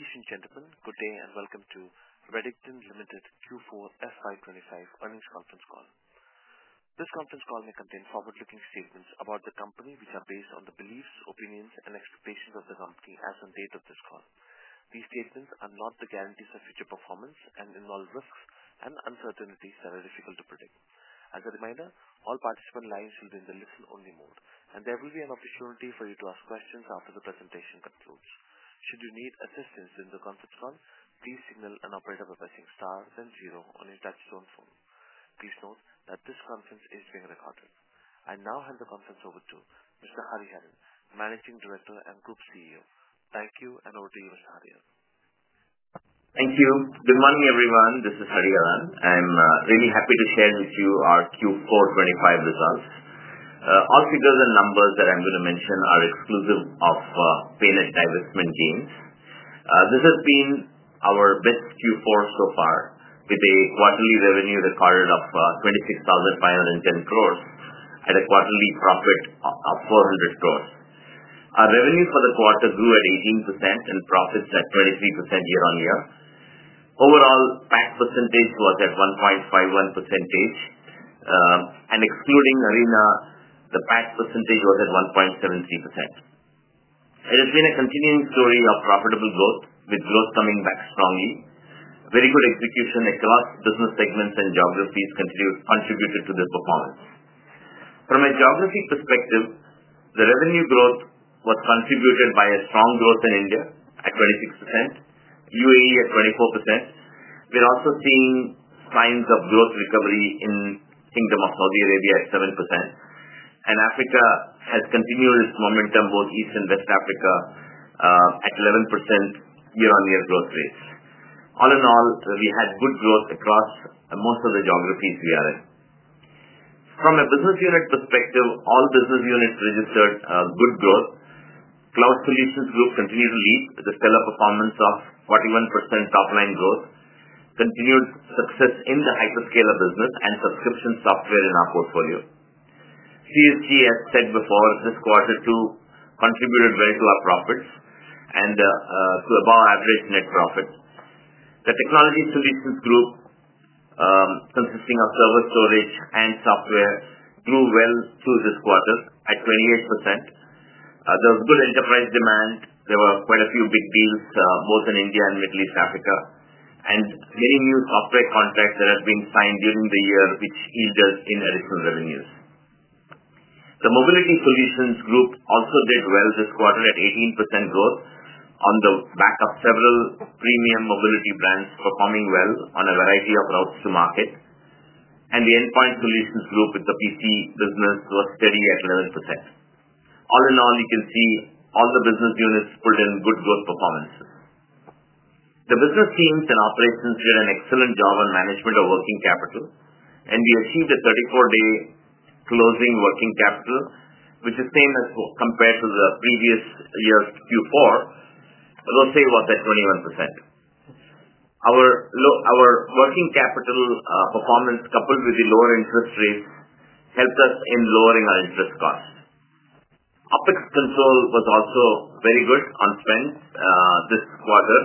Eastern Gentlemen, good day and welcome to Redington Limited Q4 FY 2025 earnings conference call. This conference call may contain forward-looking statements about the company, which are based on the beliefs, opinions, and expectations of the company as on date of this call. These statements are not the guarantees of future performance and involve risks and uncertainties that are difficult to predict. As a reminder, all participant lines will be in the listen-only mode, and there will be an opportunity for you to ask questions after the presentation concludes. Should you need assistance during the conference call, please signal an operator by pressing star then zero on your touchstone phone. Please note that this conference is being recorded. I now hand the conference over to Mr. Hariharan, Managing Director and Group CEO. Thank you, and over to you, Mr. Hariharan. Thank you. Good morning, everyone. This is Hariharan. I'm really happy to share with you our Q4 2025 results. All figures and numbers that I'm going to mention are exclusive of PayNet divestment gains. This has been our best Q4 so far, with a quarterly revenue recorded of 26,510 crore and a quarterly profit of 400 crore. Our revenue for the quarter grew at 18% and profits at 23% year on year. Overall, PAC percentage was at 1.51%, and excluding Arena, the PAC percentage was at 1.70%. It has been a continuing story of profitable growth, with growth coming back strongly. Very good execution across business segments and geographies contributed to the performance. From a geography perspective, the revenue growth was contributed by a strong growth in India at 26%, UAE at 24%. We're also seeing signs of growth recovery in the Kingdom of Saudi Arabia at 7%, and Africa has continued its momentum, both East and West Africa, at 11% year-on-year growth rates. All in all, we had good growth across most of the geographies we are in. From a business unit perspective, all business units registered good growth. Cloud Solutions Group continued to lead with a stellar performance of 41% top-line growth, continued success in the hyperscale business, and subscription software in our portfolio. CSG, as said before, this quarter too contributed well to our profits and to above-average net profits. The Technology Solutions Group, consisting of server storage and software, grew well too this quarter at 28%. There was good enterprise demand. There were quite a few big deals, both in India and Middle East Africa, and many new software contracts that have been signed during the year, which yielded in additional revenues. The Mobility Solutions Group also did well this quarter at 18% growth on the back of several premium mobility brands performing well on a variety of routes to market, and the Endpoint Solutions Group with the PC business was steady at 11%. All in all, you can see all the business units pulled in good growth performances. The business teams and operations did an excellent job on management of working capital, and we achieved a 34-day closing working capital, which is the same as compared to the previous year's Q4, though it was at 21%. Our working capital performance, coupled with the lower interest rates, helped us in lowering our interest costs. OpEx control was also very good on spend this quarter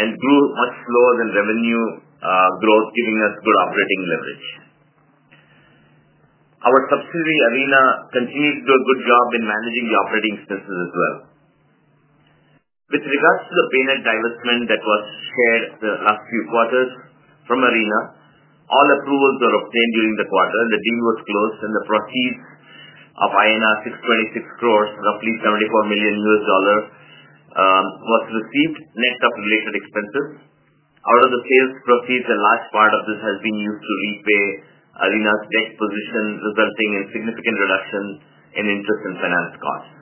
and grew much slower than revenue growth, giving us good operating leverage. Our subsidiary ARENA continued to do a good job in managing the operating expenses as well. With regards to the PayNet divestment that was shared the last few quarters from ARENA, all approvals were obtained during the quarter, and the deal was closed, and the proceeds of INR 626 crores, roughly $74 million U.S. dollars, were received net of related expenses. Out of the sales proceeds, a large part of this has been used to repay ARENA's debt position, resulting in significant reduction in interest and finance costs.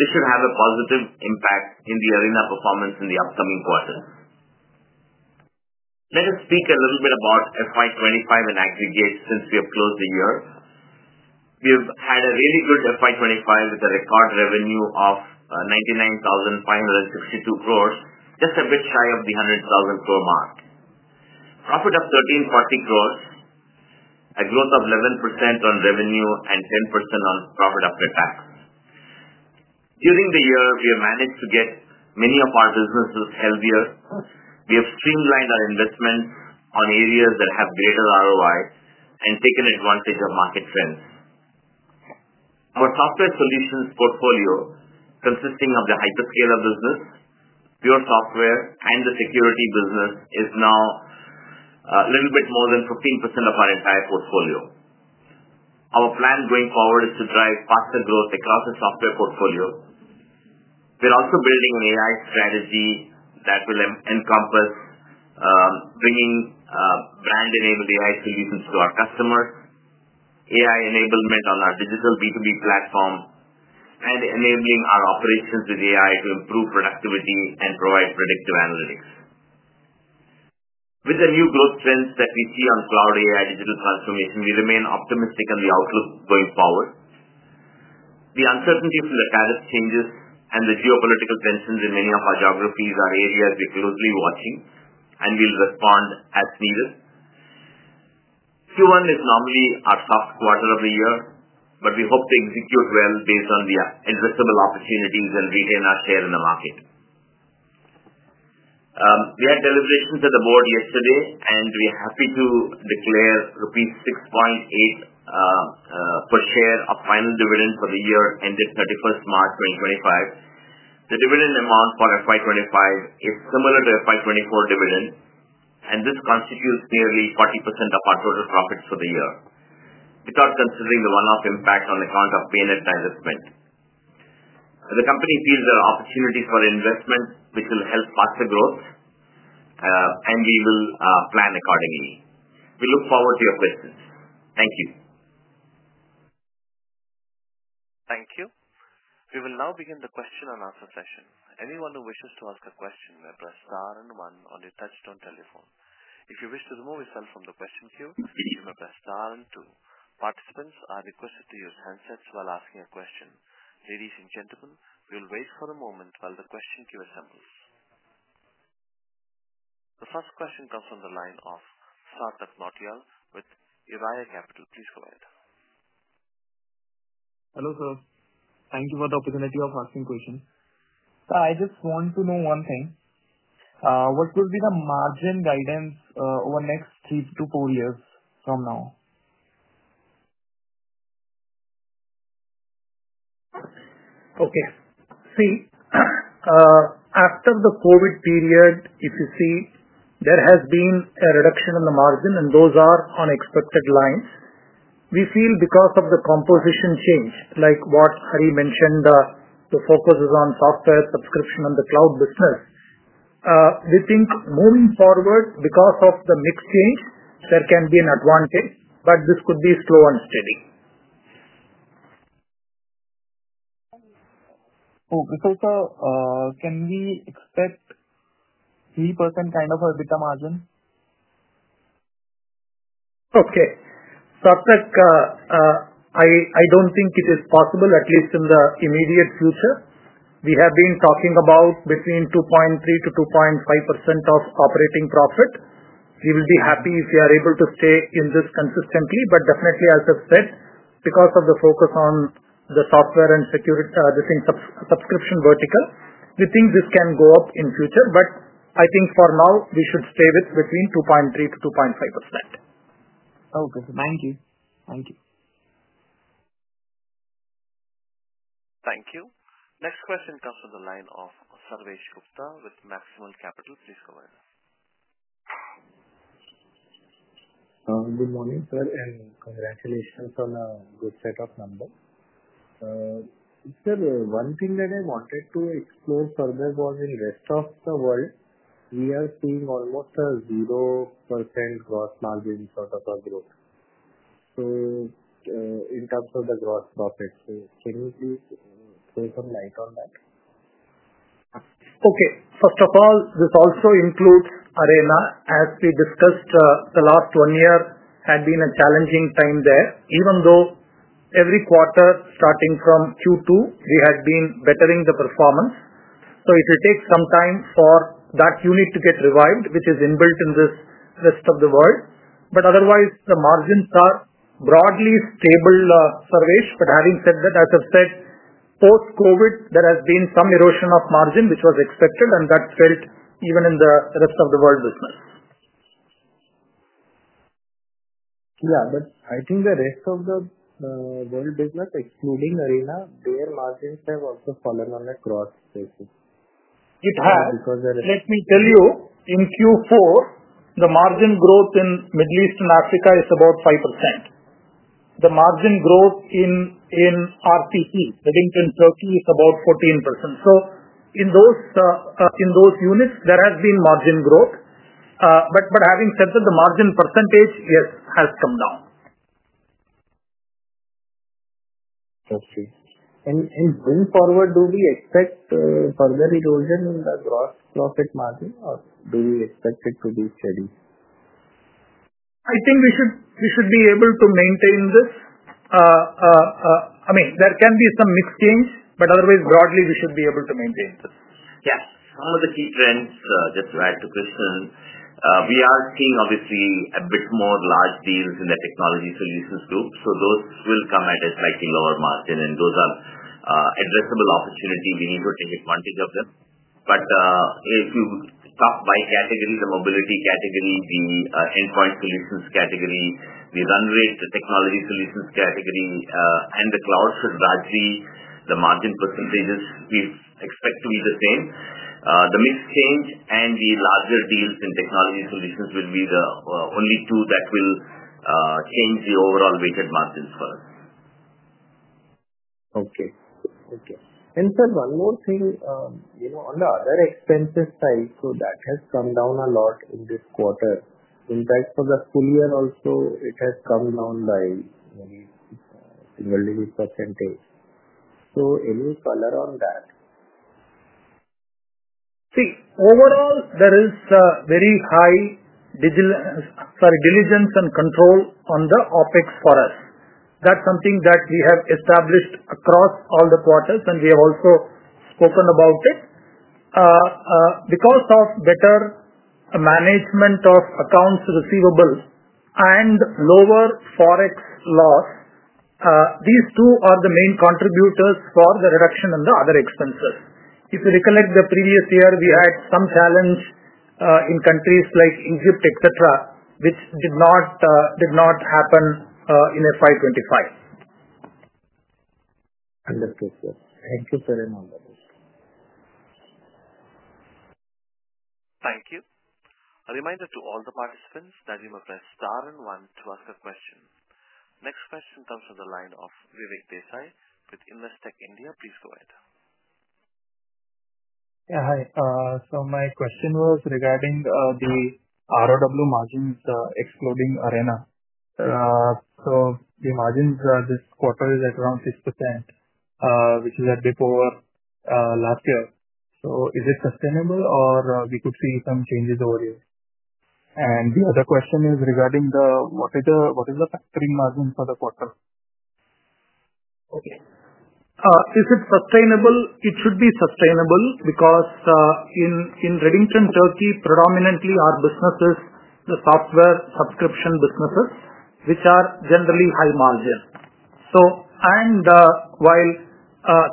This should have a positive impact in the ARENA performance in the upcoming quarter. Let us speak a little bit about FY 2025 and aggregate since we have closed the year. We have had a really good FY 2025 with a record revenue of 99,562 crores, just a bit shy of the 100,000 crore mark. Profit of 1,340 crores, a growth of 11% on revenue and 10% on profit after tax. During the year, we have managed to get many of our businesses healthier. We have streamlined our investments on areas that have greater ROI and taken advantage of market trends. Our software solutions portfolio, consisting of the hyperscale business, pure software, and the security business, is now a little bit more than 15% of our entire portfolio. Our plan going forward is to drive faster growth across the software portfolio. We're also building an AI strategy that will encompass bringing brand-enabled AI solutions to our customers, AI enablement on our digital B2B platform, and enabling our operations with AI to improve productivity and provide predictive analytics. With the new growth trends that we see on cloud AI digital transformation, we remain optimistic on the outlook going forward. The uncertainty from the tariff changes and the geopolitical tensions in many of our geographies are areas we're closely watching, and we'll respond as needed. Q1 is normally our soft quarter of the year, but we hope to execute well based on the addressable opportunities and retain our share in the market. We had deliberations with the board yesterday, and we are happy to declare rupees 6.8 per share of final dividend for the year ended 31st March 2025. The dividend amount for FY 2025 is similar to FY 2024 dividend, and this constitutes nearly 40% of our total profits for the year, without considering the one-off impact on account of PayNet divestment. The company feels there are opportunities for investment, which will help faster growth, and we will plan accordingly. We look forward to your questions. Thank you. Thank you. We will now begin the question and answer session. Anyone who wishes to ask a question may press star and one on your touch-tone telephone. If you wish to remove yourself from the question queue, you may press star and two. Participants are requested to use handsets while asking a question. Ladies and gentlemen, we will wait for a moment while the question queue assembles. The first question comes from the line of Startup Nautia with Uriah Capital. Please go ahead. Hello, sir. Thank you for the opportunity of asking questions. Sir, I just want to know one thing. What will be the margin guidance over the next three to four years from now? Okay. See, after the COVID period, if you see, there has been a reduction in the margin, and those are on expected lines. We feel because of the composition change, like what Hariharan mentioned, the focus is on software subscription and the cloud business, we think moving forward, because of the mix change, there can be an advantage, but this could be slow and steady. Okay. So, sir, can we expect 3% kind of a EBITDA margin? Okay. Startup, I don't think it is possible, at least in the immediate future. We have been talking about between 2.3%-2.5% of operating profit. We will be happy if we are able to stay in this consistently, but definitely, as I've said, because of the focus on the software and the subscription vertical, we think this can go up in the future, but I think for now, we should stay with between 2.3%-2.5%. Okay. Thank you. Thank you. Thank you. Next question comes from the line of Sarvesh Gupta with Maximal Capital. Please go ahead. Good morning, sir, and congratulations on a good set of numbers. Sir, one thing that I wanted to explore further was in the rest of the world, we are seeing almost a 0% gross margin sort of a growth. In terms of the gross profit, can you please shed some light on that? Okay. First of all, this also includes ARENA. As we discussed, the last one year had been a challenging time there, even though every quarter starting from Q2, we had been bettering the performance. It will take some time for that unit to get revived, which is inbuilt in this rest of the world. Otherwise, the margins are broadly stable, Sarvesh. Having said that, as I've said, post-COVID, there has been some erosion of margin, which was expected, and that's felt even in the rest of the world business. Yeah, but I think the rest of the world business, excluding ARENA, their margins have also fallen on a gross basis. It has. Let me tell you, in Q4, the margin growth in Middle East and Africa is about 5%. The margin growth in Redington Turkey is about 14%. In those units, there has been margin growth. Having said that, the margin percentage, yes, has come down. I see. Going forward, do we expect further erosion in the gross profit margin, or do we expect it to be steady? I think we should be able to maintain this. I mean, there can be some mixed gains, but otherwise, broadly, we should be able to maintain this. Yeah. Some of the key trends, just to add to Christian, we are seeing, obviously, a bit more large deals in the Technology Solutions Group. Those will come at a slightly lower margin, and those are addressable opportunities. We need to take advantage of them. If you talk by category, the mobility category, the Endpoint Solutions category, the run rate, the technology solutions category, and the cloud, largely the margin percentages we expect to be the same. The mixed gain and the larger deals in technology solutions will be the only two that will change the overall weighted margins for us. Okay. Okay. Sir, one more thing. On the other expenses side, that has come down a lot in this quarter. In fact, for the full year also, it has come down by a single-digit percentage. Any color on that? See, overall, there is very high diligence and control on the OpEx for us. That's something that we have established across all the quarters, and we have also spoken about it. Because of better management of accounts receivable and lower forex loss, these two are the main contributors for the reduction in the other expenses. If you recollect the previous year, we had some challenge in countries like Egypt, etc., which did not happen in FY 2025. Understood, sir. Thank you, sir, and all the best. Thank you. A reminder to all the participants, Nadeem would press star and one to ask a question. Next question comes from the line of Vivek Desai with Invest Tech India. Please go ahead. Yeah, hi. My question was regarding the ROW margins excluding ARENA. The margins this quarter are at around 6%, which is a bit over last year. Is it sustainable, or could we see some changes over here? The other question is regarding what is the factoring margin for the quarter? Okay. Is it sustainable? It should be sustainable because in Redington Turkey, predominantly our business is the software subscription businesses, which are generally high margin. While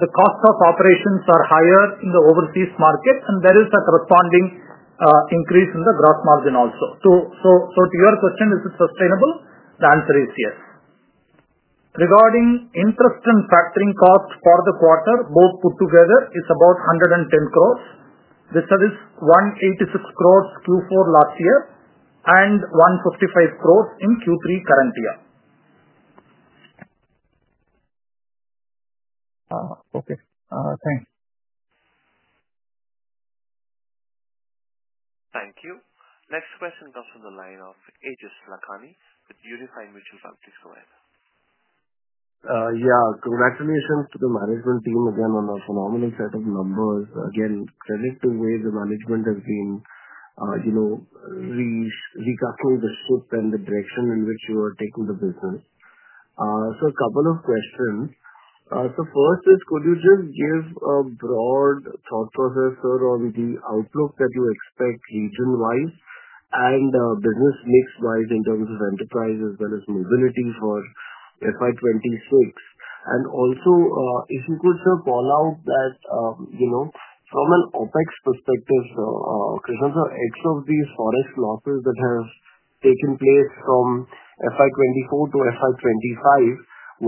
the cost of operations are higher in the overseas market, there is a corresponding increase in the gross margin also. To your question, is it sustainable? The answer is yes. Regarding interest and factoring cost for the quarter, both put together, it is about 110 crores. This is 186 crores in Q4 last year and 145 crores in Q3 current year. Okay. Thanks. Thank you. Next question comes from the line of Aejas Lakhani with Unifi Mutual Fund. Please go ahead. Yeah. Congratulations to the management team again on a phenomenal set of numbers. Again, credit to the way the management has been recalculating the ship and the direction in which you are taking the business. A couple of questions. First, could you just give a broad thought process, sir, or the outlook that you expect region-wise and business mix-wise in terms of enterprise as well as mobility for FY 2026? Also, if you could, sir, call out that from an OpEx perspective, Christian, sir, excluding these forex losses that have taken place from FY 2024 to FY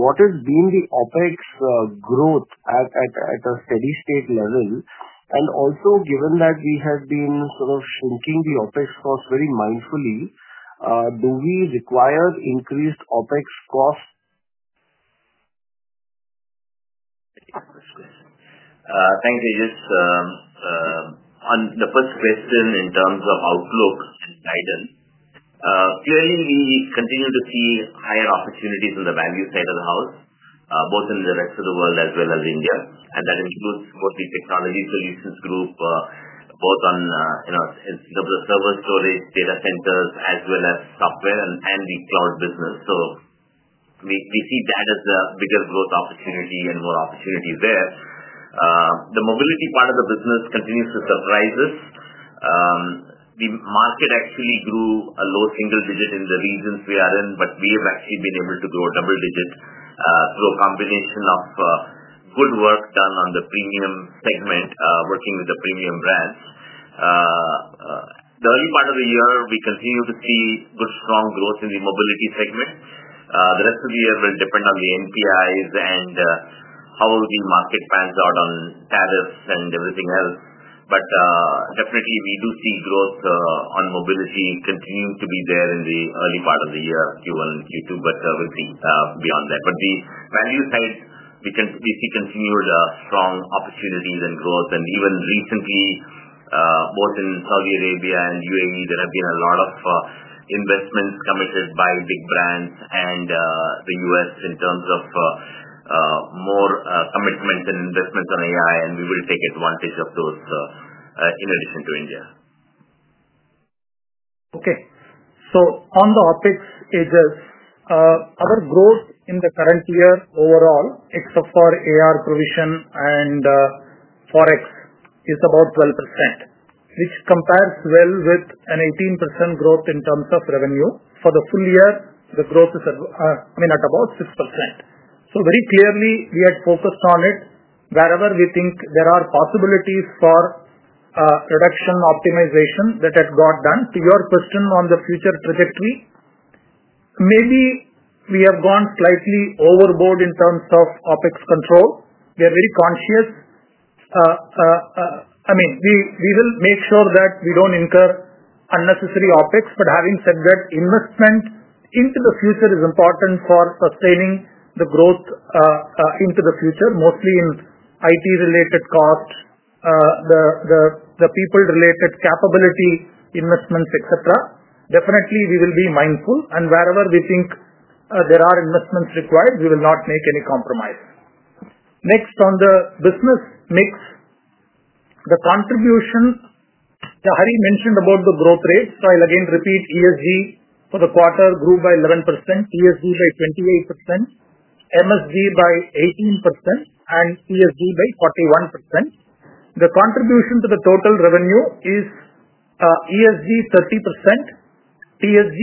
2025, what has been the OpEx growth at a steady-state level? Also, given that we have been sort of shrinking the OpEx cost very mindfully, do we require increased OpEx cost? Thank you, Aejas. On the first question in terms of outlook and guidance, clearly, we continue to see higher opportunities on the value side of the house, both in the rest of the world as well as India. That includes both the Technology Solutions Group, both on the server storage, data centers, as well as software and the cloud business. We see that as a bigger growth opportunity and more opportunity there. The mobility part of the business continues to surprise us. The market actually grew a low single digit in the regions we are in, but we have actually been able to grow a double digit through a combination of good work done on the premium segment, working with the premium brands. The early part of the year, we continue to see good strong growth in the mobility segment. The rest of the year will depend on the NPIs and how the market pans out on tariffs and everything else. We do see growth on mobility continuing to be there in the early part of the year, Q1 and Q2, but we'll see beyond that. The value side, we see continued strong opportunities and growth. Even recently, both in Saudi Arabia and UAE, there have been a lot of investments committed by big brands and the U.S. in terms of more commitment and investments on AI, and we will take advantage of those in addition to India. Okay. So on the OpEx, Ajay, our growth in the current year overall, except for AR provision and Forex, is about 12%, which compares well with an 18% growth in terms of revenue. For the full year, the growth is, I mean, at about 6%. Very clearly, we had focused on it wherever we think there are possibilities for reduction optimization that had got done. To your question on the future trajectory, maybe we have gone slightly overboard in terms of OpEx control. We are very conscious. I mean, we will make sure that we do not incur unnecessary OpEx. Having said that, investment into the future is important for sustaining the growth into the future, mostly in IT-related costs, the people-related capability investments, etc. Definitely, we will be mindful. Wherever we think there are investments required, we will not make any compromise. Next, on the business mix, the contribution Hari mentioned about the growth rate. I'll again repeat, ESG for the quarter grew by 11%, TSG by 28%, MSG by 18%, and CSG by 41%. The contribution to the total revenue is ESG 30%, TSG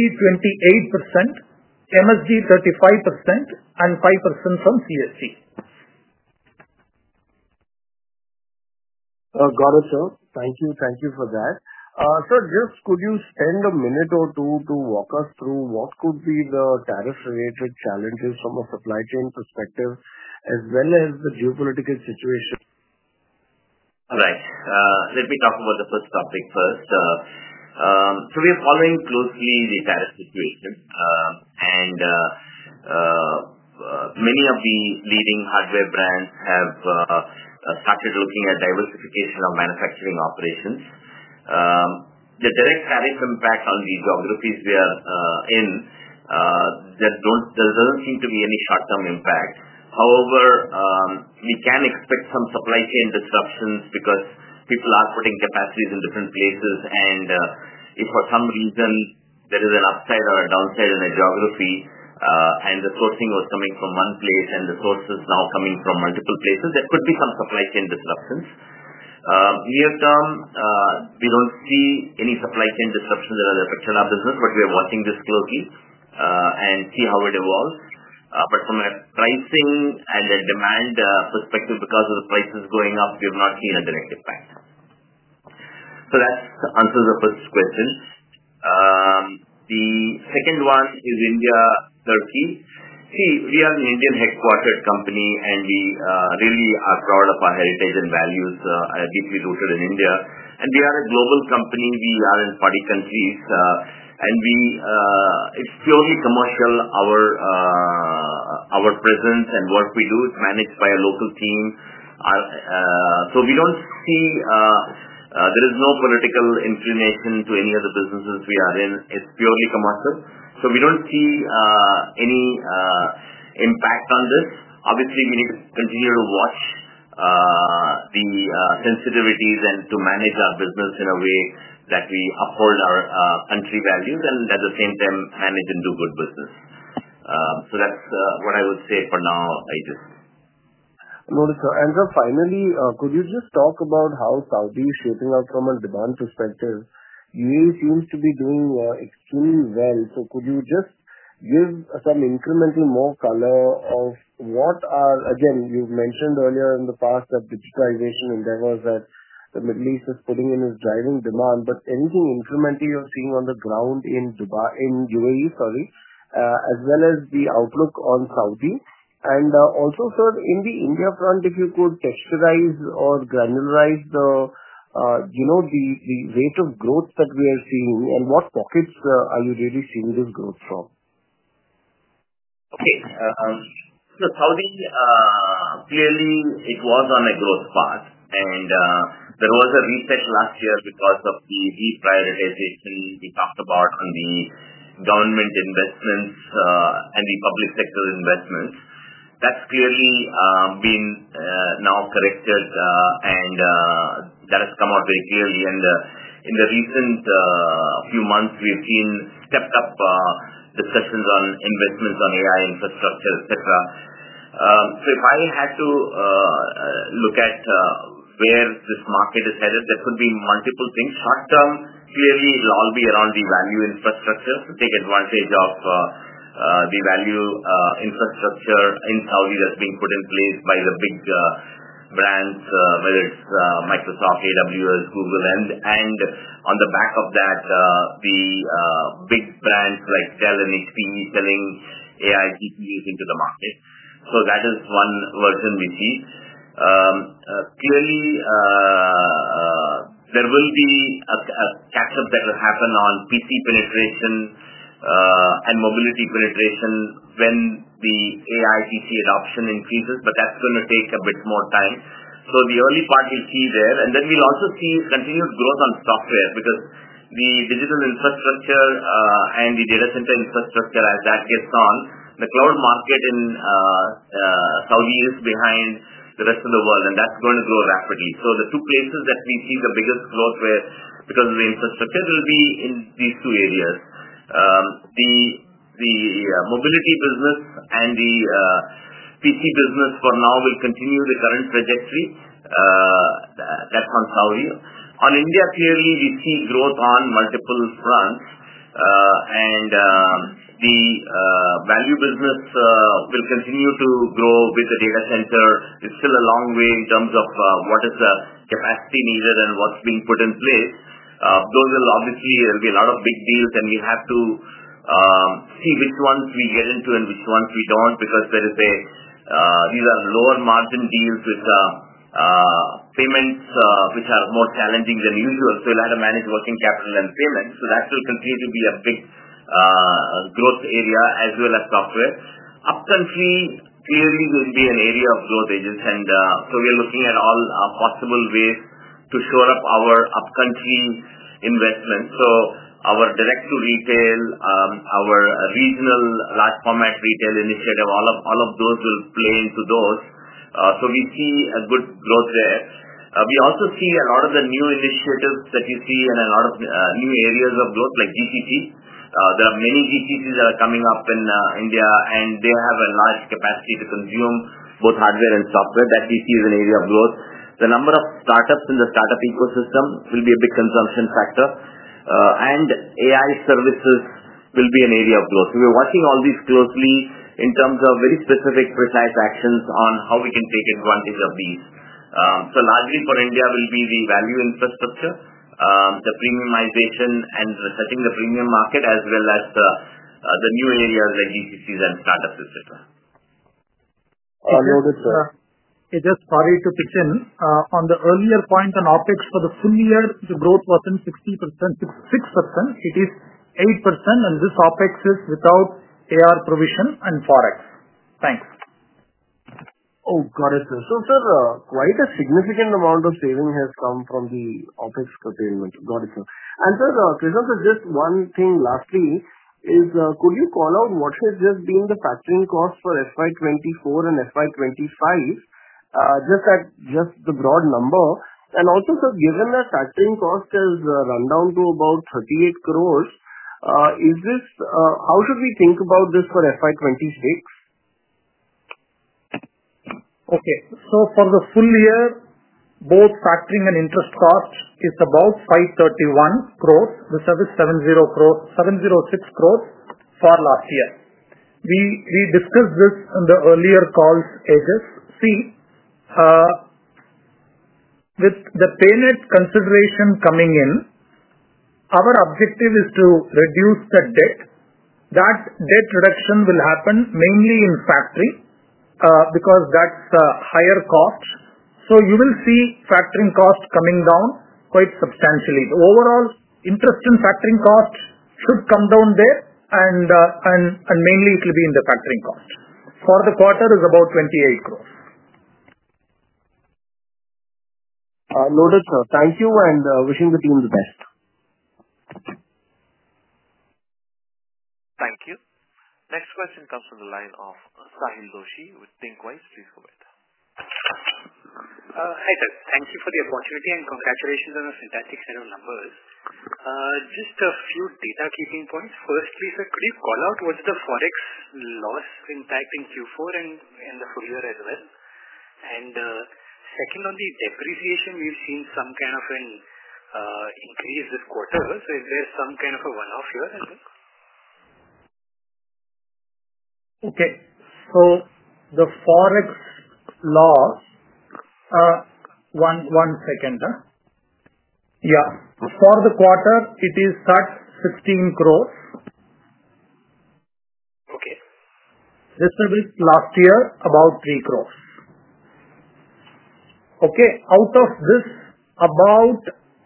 28%, MSG 35%, and 5% from CSG. Got it, sir. Thank you. Thank you for that. Sir, just could you spend a minute or two to walk us through what could be the tariff-related challenges from a supply chain perspective as well as the geopolitical situation? All right. Let me talk about the first topic first. We are following closely the tariff situation, and many of the leading hardware brands have started looking at diversification of manufacturing operations. The direct tariff impact on the geographies we are in, there does not seem to be any short-term impact. However, we can expect some supply chain disruptions because people are putting capacities in different places. If for some reason there is an upside or a downside in a geography and the sourcing was coming from one place and the source is now coming from multiple places, there could be some supply chain disruptions. Near term, we do not see any supply chain disruptions that are affecting our business, but we are watching this closely and see how it evolves. From a pricing and a demand perspective, because of the prices going up, we have not seen a direct impact. That answers the first question. The second one is India, Turkey. See, we are an Indian-headquartered company, and we really are proud of our heritage and values. We are deeply rooted in India. We are a global company. We are in 40 countries, and it's purely commercial. Our presence and work we do is managed by a local team. We do not see there is any political inclination to any of the businesses we are in. It's purely commercial. We do not see any impact on this. Obviously, we need to continue to watch the sensitivities and to manage our business in a way that we uphold our country values and at the same time manage and do good business. That's what I would say for now, Aejas. Noticed. Sir, finally, could you just talk about how Saudi is shaping up from a demand perspective? UAE seems to be doing extremely well. Could you just give some incremental more color of what are, again, you have mentioned earlier in the past that digitization endeavors that the Middle East is putting in is driving demand. Anything incremental you are seeing on the ground in UAE, sorry, as well as the outlook on Saudi? Also, sir, on the India front, if you could texturize or granularize the rate of growth that we are seeing, and what pockets are you really seeing this growth from? Okay. Saudi, clearly, it was on a growth path. There was a reset last year because of the reprioritization we talked about on the government investments and the public sector investments. That has clearly been now corrected, and that has come out very clearly. In the recent few months, we have seen stepped-up discussions on investments on AI infrastructure, etc. If I had to look at where this market is headed, there could be multiple things. Short term, clearly, it will all be around the value infrastructure to take advantage of the value infrastructure in Saudi that is being put in place by the big brands, whether it is Microsoft, AWS, Google. On the back of that, the big brands like Dell and HPE selling AI GPUs into the market. That is one version we see. Clearly, there will be a catch-up that will happen on PC penetration and mobility penetration when the AI PC adoption increases, but that's going to take a bit more time. The early part you'll see there. We'll also see continued growth on software because the digital infrastructure and the data center infrastructure, as that gets on, the cloud market in Saudi is behind the rest of the world, and that's going to grow rapidly. The two places that we see the biggest growth because of the infrastructure will be in these two areas. The mobility business and the PC business for now will continue the current trajectory. That's on Saudi. On India, clearly, we see growth on multiple fronts. The value business will continue to grow with the data center. It's still a long way in terms of what is the capacity needed and what's being put in place. Those will obviously be a lot of big deals, and we have to see which ones we get into and which ones we don't because these are lower margin deals with payments which are more challenging than usual. You have to manage working capital and payments. That will continue to be a big growth area as well as software. Upcountry, clearly, will be an area of growth, and a. We are looking at all possible ways to shore up our upcountry investments. Our direct-to-retail, our regional large-format retail initiative, all of those will play into those. We see a good growth there. We also see a lot of the new initiatives that you see and a lot of new areas of growth like GCC. There are many GCCs that are coming up in India, and they have a large capacity to consume both hardware and software that we see as an area of growth. The number of startups in the startup ecosystem will be a big consumption factor. AI services will be an area of growth. We are watching all these closely in terms of very specific precise actions on how we can take advantage of these. Largely for India, it will be the value infrastructure, the premiumization, and setting the premium market as well as the new areas like GCCs and startups, etc. Noticed, sir. Aejas, sorry to pitch in. On the earlier point on OpEx for the full year, the growth was not 6%. It is 8%. And this OpEx is without AR provision and forex. Thanks. Oh, got it, sir. So sir, quite a significant amount of saving has come from the OpEx containment. Got it, sir. And sir, Christian, just one thing lastly is, could you call out what has just been the factoring cost for FY 2024 and FY 2025, just the broad number? Also, sir, given that factoring cost has run down to 38 crores, how should we think about this for FY 2026? Okay. So for the full year, both factoring and interest cost is about 531 crores, which is 706 crores for last year. We discussed this in the earlier calls, Aejas. See, with the payment consideration coming in, our objective is to reduce the debt. That debt reduction will happen mainly in factoring because that's a higher cost. You will see factoring cost coming down quite substantially. Overall, interest and factoring cost should come down there, and mainly it will be in the factoring cost. For the quarter, it is about 28 crores. Noted, sir. Thank you and wishing the team the best. Thank you. Next question comes from the line of Sahil Doshi with Thinqwise. Please go ahead. Hi sir. Thank you for the opportunity and congratulations on a fantastic set of numbers. Just a few data keeping points. Firstly, sir, could you call out what's the forex loss impact in Q4 and the full year as well? Second, on the depreciation, we've seen some kind of an increase this quarter. Is there some kind of a one-off here? Okay. So the Forex loss, one second. Yeah. For the quarter, it is 16 crores. This was last year about 3 crores. Okay. Out of this, about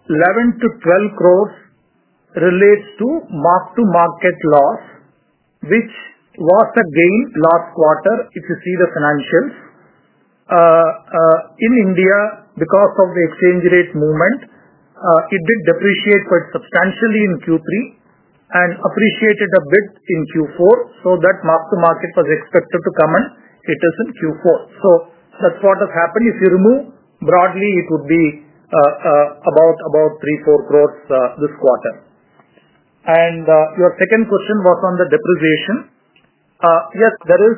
11 crores- 12 crores relates to mark-to-market loss, which was again last quarter. If you see the financials in India, because of the exchange rate movement, it did depreciate quite substantially in Q3 and appreciated a bit in Q4. That mark-to-market was expected to come in. It is in Q4. That is what has happened. If you remove broadly, it would be about 3 crores-4 crores this quarter. Your second question was on the depreciation. Yes, there is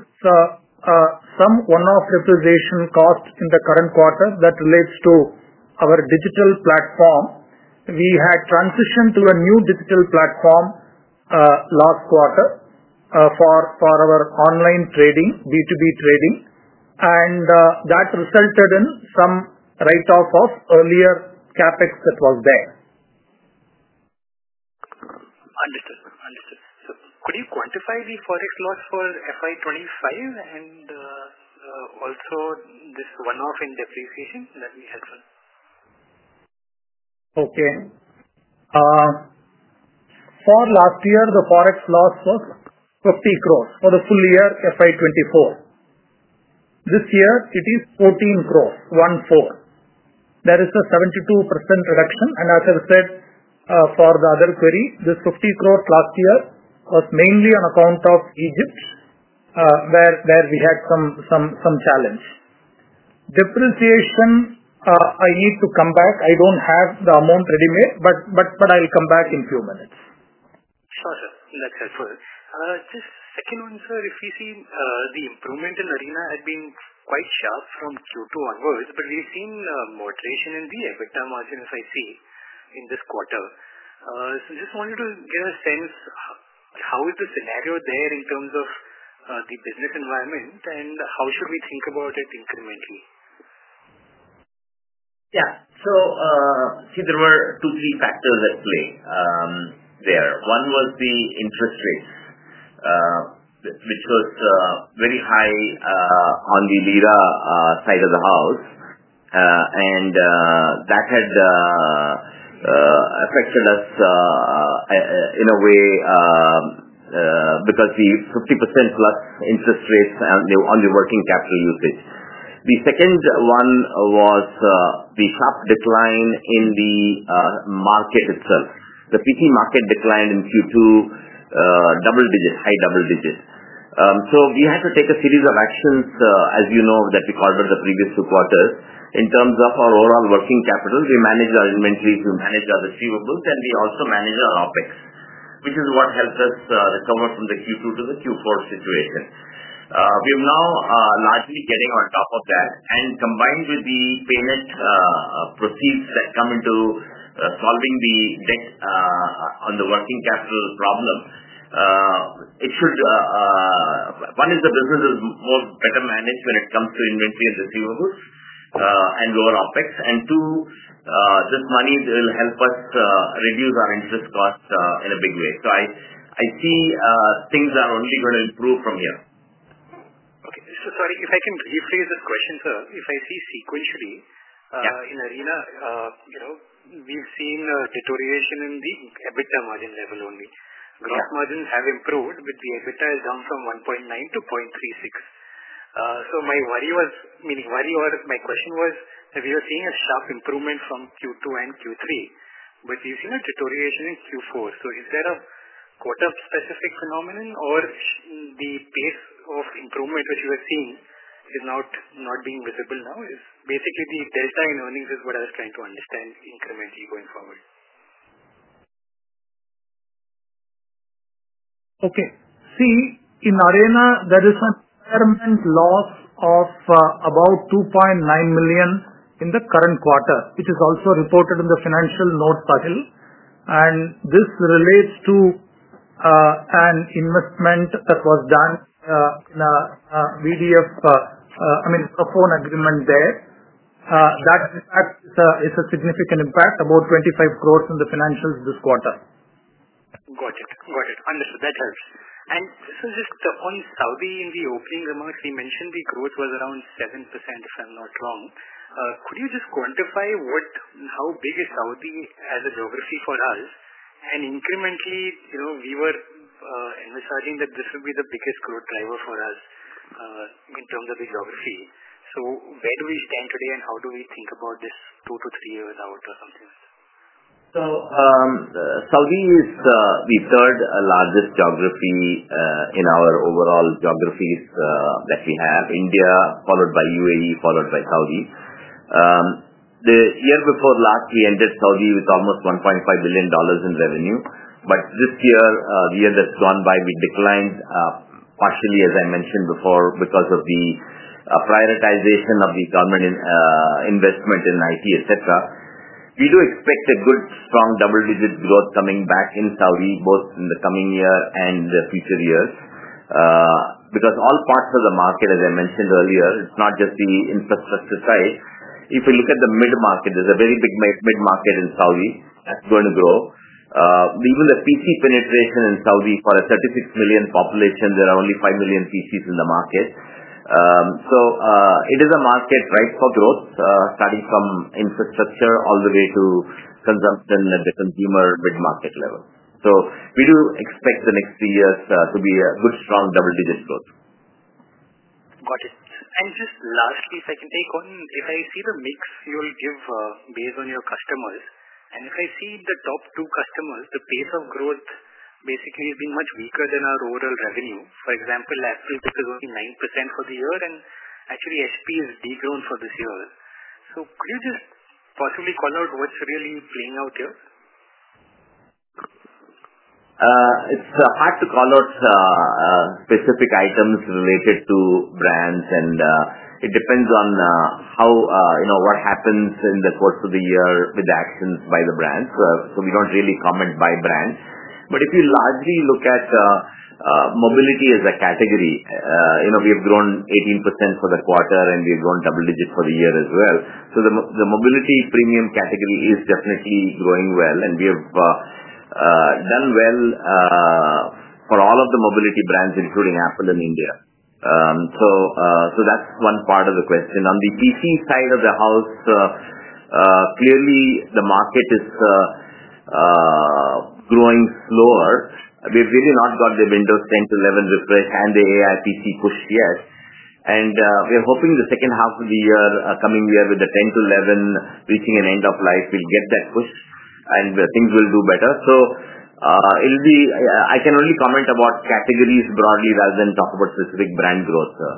some one-off depreciation cost in the current quarter that relates to our digital platform. We had transitioned to a new digital platform last quarter for our online trading, B2B trading. That resulted in some write-off of earlier CapEx that was there. Understood. Understood. Could you quantify the forex loss for FY 2025 and also this one-off in depreciation? That will be helpful. Okay. For last year, the forex loss was 50 crores for the full year, FY 2024. This year, it is 140 crores, one four. That is a 72% reduction. As I said for the other query, this 50 crores last year was mainly on account of Egypt, where we had some challenge. Depreciation, I need to come back. I do not have the amount ready-made, but I will come back in a few minutes. Sure, sir. That's helpful. Just second one, sir, if you see the improvement in Arena had been quite sharp from Q2 onwards, but we've seen moderation in the EBITDA margin, as I see, in this quarter. Just wanted to get a sense, how is the scenario there in terms of the business environment, and how should we think about it incrementally? Yeah. See, there were two, three factors at play there. One was the interest rates, which was very high on the Lira side of the house. That had affected us in a way because the 50%+ interest rates on the working capital usage. The second one was the sharp decline in the market itself. The PC market declined in Q2, double digits, high double digits. We had to take a series of actions, as you know, that we called out the previous two quarters. In terms of our overall working capital, we managed our inventories, we managed our receivables, and we also managed our OpEx, which is what helped us recover from the Q2 to the Q4 situation. We are now largely getting on top of that. Combined with the payment proceeds that come into solving the debt on the working capital problem, it should, one, the business is better managed when it comes to inventory and receivables and lower OpEx. Two, this money will help us reduce our interest cost in a big way. I see things are only going to improve from here. Okay. Sorry, if I can rephrase this question, sir. If I see sequentially, in Arena, we've seen a deterioration in the EBITDA margin level only. Gross margins have improved, but the EBITDA has gone from 1.9 to 0.36. My worry was, meaning worry or my question was, we were seeing a sharp improvement from Q2 and Q3, but we've seen a deterioration in Q4. Is there a quarter-specific phenomenon, or is the pace of improvement which you are seeing not being visible now? Basically, the delta in earnings is what I was trying to understand incrementally going forward. Okay. See, in ARENA, there is an impairment loss of about 2.9 million in the current quarter, which is also reported in the financial note panel. And this relates to an investment that was done in a VDF, I mean, proform agreement there. That impact is a significant impact, about 25 crores in the financials this quarter. Got it. Got it. Understood. That helps. Christian, just on Saudi, in the opening remarks, we mentioned the growth was around 7%, if I'm not wrong. Could you just quantify how big is Saudi as a geography for us? Incrementally, we were envisaging that this would be the biggest growth driver for us in terms of the geography. Where do we stand today, and how do we think about this two to three years out or something like that? Saudi is the third largest geography in our overall geographies that we have, India, followed by UAE, followed by Saudi. The year before last, we entered Saudi with almost $1.5 billion in revenue. This year, the year that has gone by, we declined partially, as I mentioned before, because of the prioritization of the government investment in IT, etc. We do expect a good strong double-digit growth coming back in Saudi, both in the coming year and the future years because all parts of the market, as I mentioned earlier, it is not just the infrastructure side. If we look at the mid-market, there is a very big mid-market in Saudi that is going to grow. Even the PC penetration in Saudi, for a 36 million population, there are only 5 million PCs in the market. It is a market ripe for growth, starting from infrastructure all the way to consumption at the consumer mid-market level. We do expect the next three years to be a good strong double-digit growth. Got it. Just lastly, if I can take one, if I see the mix you give based on your customers, and if I see the top two customers, the pace of growth basically has been much weaker than our overall revenue. For example, last year, this was only 9% for the year, and actually, HP has degrown for this year. Could you just possibly call out what's really playing out here? It's hard to call out specific items related to brands, and it depends on what happens in the course of the year with the actions by the brands. We do not really comment by brand. If you largely look at mobility as a category, we have grown 18% for the quarter, and we have grown double-digit for the year as well. The mobility premium category is definitely growing well, and we have done well for all of the mobility brands, including Apple in India. That is one part of the question. On the PC side of the house, clearly, the market is growing slower. We have really not got the Windows 10-11 refresh and the AI PC push yet. We are hoping the second half of the coming year with the Windows 10-11 reaching an end of life will get that push, and things will do better. I can only comment about categories broadly rather than talk about specific brand growth, sir.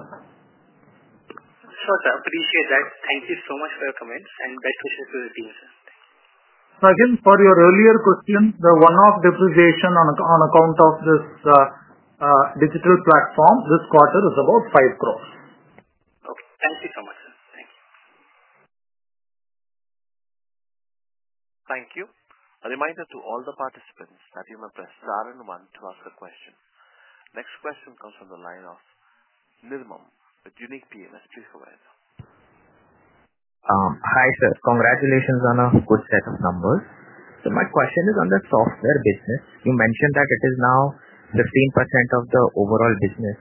Sure, sir. Appreciate that. Thank you so much for your comments, and best wishes to the team, sir. Again, for your earlier question, the one-off depreciation on account of this digital platform this quarter is about 5 crore. Okay. Thank you so much, sir. Thank you. Thank you. A reminder to all the participants that you may press star and one to ask a question. Next question comes from the line of Nirmam with Unique PMS. Please go ahead. Hi, sir. Congratulations on a good set of numbers. My question is on the software business. You mentioned that it is now 15% of the overall business.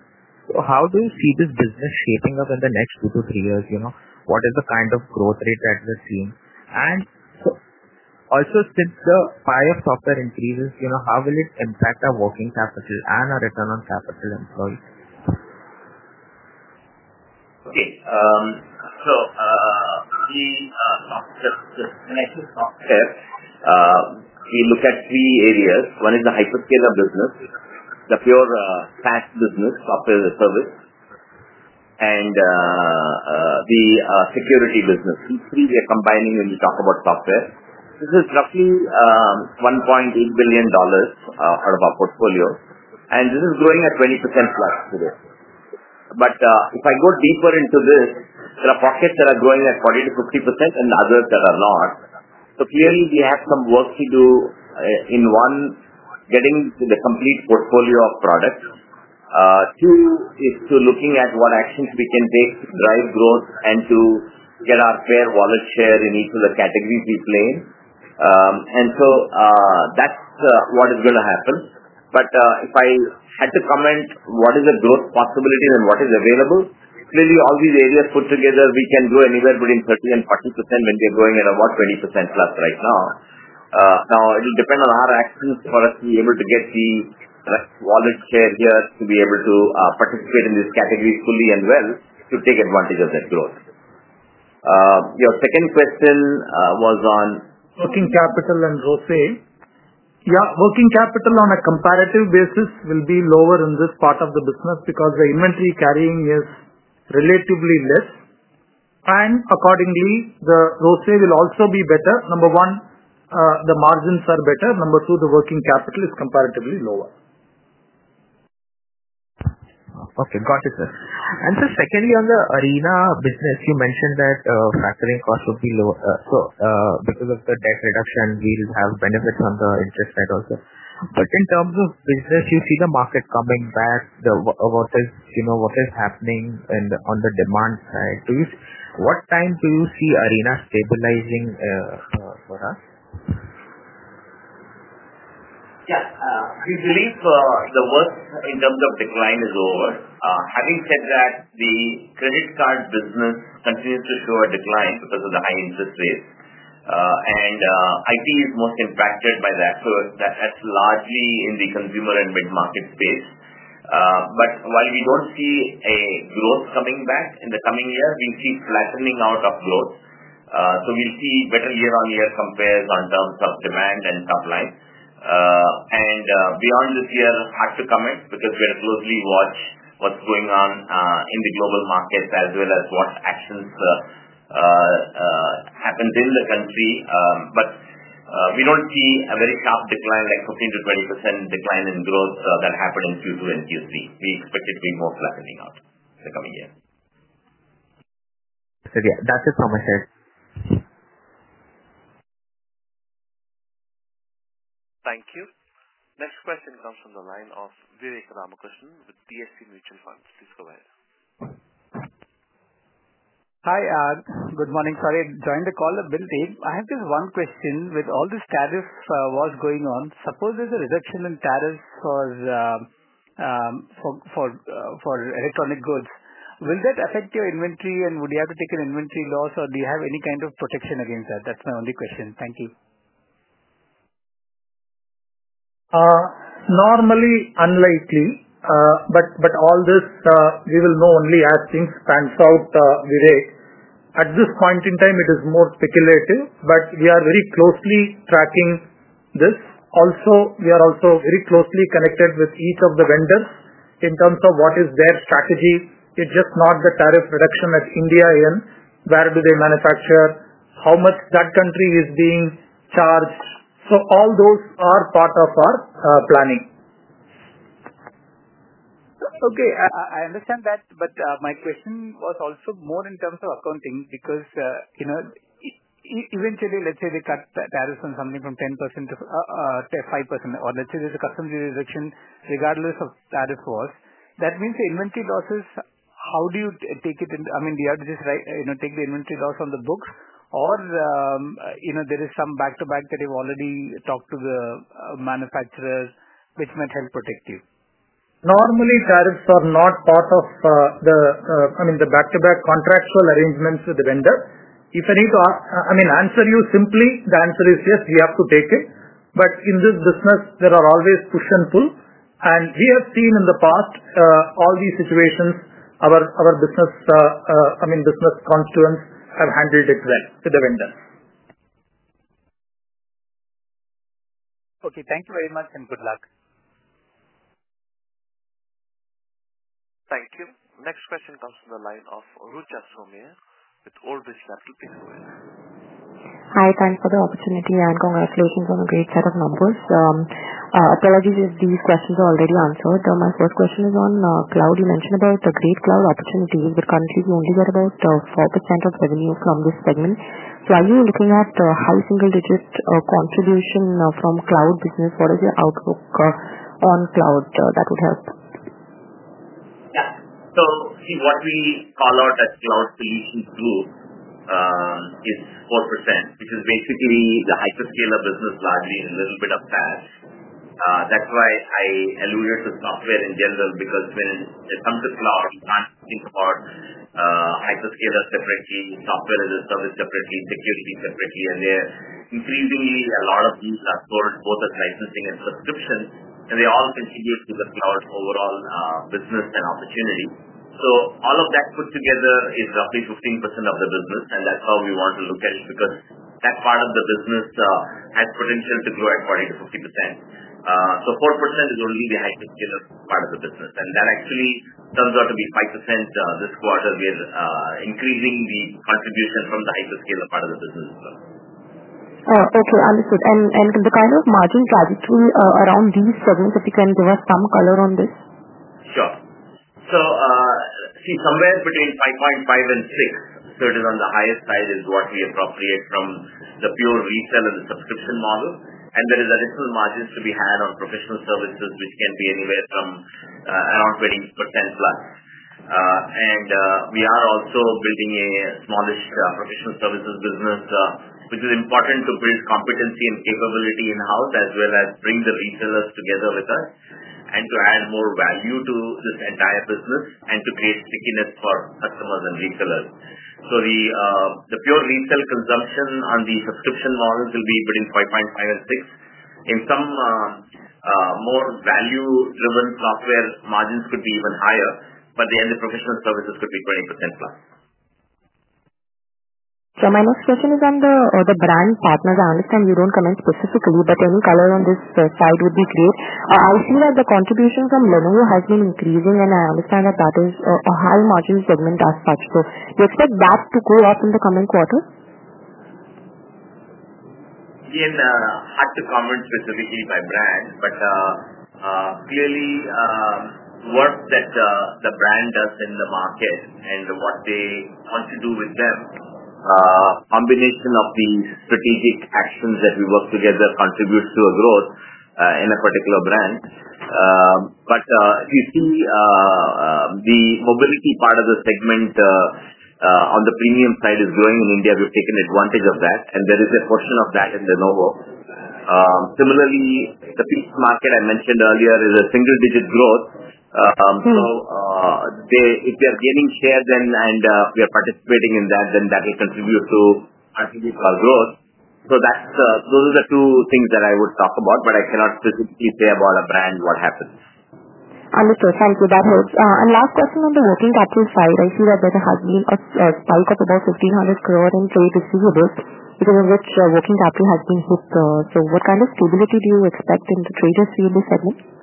How do you see this business shaping up in the next two to three years? What is the kind of growth rate that we're seeing? Also, since the buyer software increases, how will it impact our working capital and our return on capital employed? Okay. So the software, the financial software, we look at three areas. One is the hyperscaler business, the pure SaaS business, software as a service, and the security business. These three we are combining when we talk about software. This is roughly $1.8 billion out of our portfolio, and this is growing at 20%+ today. If I go deeper into this, there are pockets that are growing at 40%-50% and others that are not. Clearly, we have some work to do in one, getting the complete portfolio of products. Two is to looking at what actions we can take to drive growth and to get our fair wallet share in each of the categories we play. That is what is going to happen. If I had to comment what is the growth possibility and what is available, clearly, all these areas put together, we can grow anywhere between 30%-40% when we are growing at about 20%+ right now. Now, it will depend on our actions for us to be able to get the wallet share here to be able to participate in these categories fully and well to take advantage of that growth. Your second question was on. Working capital and ROCE. Yeah. Working capital on a comparative basis will be lower in this part of the business because the inventory carrying is relatively less. Accordingly, the ROCE will also be better. Number one, the margins are better. Number two, the working capital is comparatively lower. Okay. Got it, sir. Secondly, on the Arena business, you mentioned that factoring costs would be lower. Because of the debt reduction, we'll have benefits on the interest side also. In terms of business, you see the market coming back, what is happening on the demand side? What time do you see Arena stabilizing for us? Yeah. We believe the worst in terms of decline is over. Having said that, the credit card business continues to show a decline because of the high interest rates. IT is most impacted by that. That is largely in the consumer and mid-market space. While we do not see a growth coming back in the coming year, we see flattening out of growth. We will see better year-on-year compares in terms of demand and supply. Beyond this year, hard to comment because we have to closely watch what is going on in the global markets as well as what actions happened in the country. We do not see a very sharp decline, like 15%-20% decline in growth that happened in Q2 and Q3. We expect it to be more flattening out in the coming year. Yeah, that's it from my side. Thank you. Next question comes from the line of Vivek Ramakrishnan with DSP Mutual Funds. Please go ahead. Hi, Arun. Good morning. Sorry, joined the call a bit late. I have just one question. With all this tariff war going on, suppose there is a reduction in tariffs for electronic goods, will that affect your inventory, and would you have to take an inventory loss, or do you have any kind of protection against that? That is my only question. Thank you. Normally, unlikely. All this, we will know only as things pan out, Vivek. At this point in time, it is more speculative, but we are very closely tracking this. Also, we are also very closely connected with each of the vendors in terms of what is their strategy. It's just not the tariff reduction at India in where do they manufacture, how much that country is being charged. All those are part of our planning. Okay. I understand that, but my question was also more in terms of accounting because eventually, let's say they cut tariffs on something from 10%-5%, or let's say there's a customs reduction regardless of tariff wars. That means the inventory losses, how do you take it? I mean, do you have to just take the inventory loss on the books, or there is some back-to-back that you've already talked to the manufacturer, which might help protect you? Normally, tariffs are not part of the, I mean, the back-to-back contractual arrangements with the vendor. If I need to, I mean, answer you simply, the answer is yes, we have to take it. In this business, there are always push and pull. We have seen in the past all these situations, our business, I mean, business constituents have handled it well with the vendors. Okay. Thank you very much, and good luck. Thank you. Next question comes from the line of Rucha Somaiya with Old Bridge Capital. Please go ahead. Hi. Thanks for the opportunity. Congratulations on a great set of numbers. Apologies if these questions are already answered. My first question is on cloud. You mentioned about the great cloud opportunities, but currently, we only get about 4% of revenue from this segment. Are you looking at a high single-digit contribution from cloud business? What is your outlook on cloud that would help? Yeah. See, what we call out as Cloud Solutions Group is 4%, which is basically the hyperscaler business largely and a little bit of SaaS. That is why I alluded to software in general because when it comes to cloud, you cannot think about hyperscaler separately, software as a service separately, security separately. Increasingly, a lot of these are sold both as licensing and subscription, and they all contribute to the cloud overall business and opportunity. All of that put together is roughly 15% of the business, and that is how we want to look at it because that part of the business has potential to grow at 40%-50%. 4% is only the hyperscaler part of the business. That actually turns out to be 5% this quarter, we are increasing the contribution from the hyperscaler part of the business as well. Okay. Understood. The kind of margin trajectory around these segments, if you can give us some color on this? Sure. See, somewhere between 5.5-6, so it is on the higher side is what we appropriate from the pure resale and the subscription model. There are additional margins to be had on professional services, which can be anywhere from around 20%+. We are also building a smallish professional services business, which is important to build competency and capability in-house as well as bring the retailers together with us and to add more value to this entire business and to create stickiness for customers and retailers. The pure resale consumption on the subscription models will be between 5.5 and 6. In some more value-driven software, margins could be even higher, but then the professional services could be 20%+. My next question is on the brand partners. I understand you don't comment specifically, but any color on this side would be great. I see that the contribution from Lenovo has been increasing, and I understand that that is a high-margin segment as such. Do you expect that to grow up in the coming quarter? Again, hard to comment specifically by brand, but clearly, what the brand does in the market and what they want to do with them, combination of the strategic actions that we work together contributes to a growth in a particular brand. If you see, the mobility part of the segment on the premium side is growing in India. We've taken advantage of that, and there is a portion of that in Lenovo. Similarly, the peak market I mentioned earlier is a single-digit growth. If we are gaining shares and we are participating in that, then that will contribute to our growth. Those are the two things that I would talk about, but I cannot specifically say about a brand what happens. Understood. Thank you. That helps. Last question on the working capital side. I see that there has been a spike of about 1,500 crore in trade receivables because of which working capital has been hit. What kind of stability do you expect in the trade receivables segment?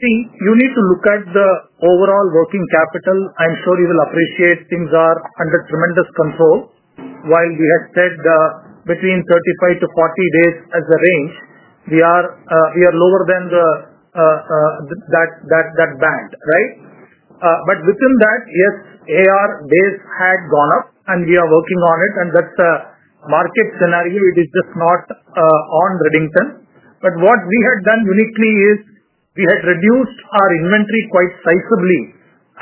Okay. See, you need to look at the overall working capital. I'm sure you will appreciate things are under tremendous control. While we had said between 35-40 days as a range, we are lower than that band, right? Within that, yes, AR days had gone up, and we are working on it. That is a market scenario. It is just not on Redington. What we had done uniquely is we had reduced our inventory quite sizably